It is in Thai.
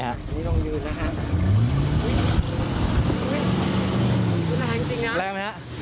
แรงจริงนะ